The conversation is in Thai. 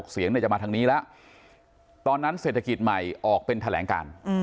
เสียงจะมาทางนี้แล้วตอนนั้นเศรษฐกิจใหม่ออกเป็นแถลงการ